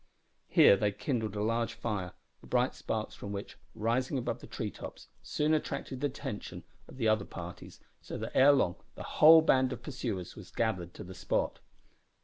Here they kindled a large fire, the bright sparks from which, rising above the tree tops, soon attracted the attention of the other parties, so that, ere long, the whole band of pursuers was gathered to the spot.